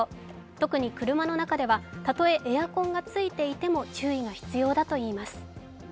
特に車の中では、たとえエアコンがついていても注意が必要だといいます。